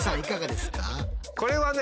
これはね